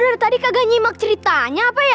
lu dari tadi kagak nyimak ceritanya apa ya